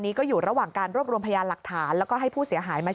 ก็อยู่ระหว่างการรวบรวมพยานหลักฐานแล้วก็ให้ผู้เสียหายมา